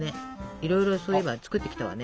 いろいろそういえば作ってきたわね。